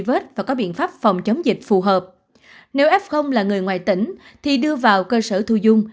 vết và có biện pháp phòng chống dịch phù hợp nếu f là người ngoài tỉnh thì đưa vào cơ sở thu dung